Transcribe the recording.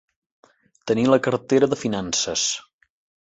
Tenir la cartera de finances.